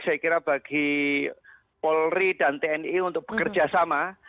saya kira bagi polri dan tni untuk bekerja sama